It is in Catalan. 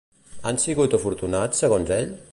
Han sigut afortunats, segons ell?